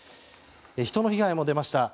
人の被害も出ました。